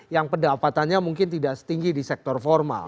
yang pendapatannya mungkin tidak setinggi di sektor formal